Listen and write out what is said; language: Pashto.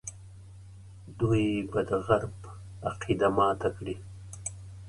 دوی به د غرب عقیده ماته کړي.